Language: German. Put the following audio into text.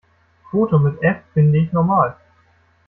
Foto mit F finde ich normal.